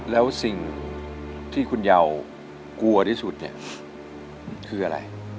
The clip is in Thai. แล้วสิ่งที่คุณเยาวกลัวที่สุดเนี่ยคืออะไร